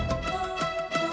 nih aku tidur